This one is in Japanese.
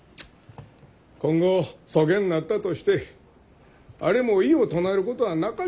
今後そげんなったとしてあれも異を唱えることはなかじゃろう。